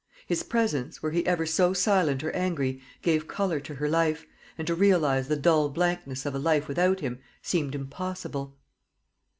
His presence, were he ever so silent or angry, gave colour to her life, and to realise the dull blankness of a life without him seemed impossible.